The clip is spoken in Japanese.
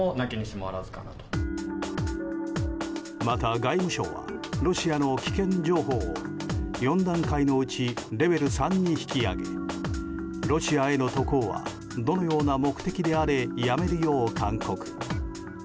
また外務省はロシアの危険情報を４段階のうちレベル３に引き上げロシアへの渡航はどのような目的であれやめるよう勧告。